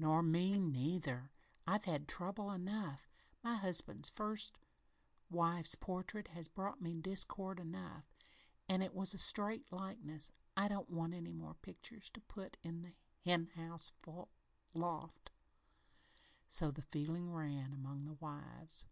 "Nor me, neither. I've had trouble enough. My husband's first wife's portrait has brought me discord enough an' it was a straight likeness. I don't want any more pictures to put in the hen house loft." So the feeling ran among the wives.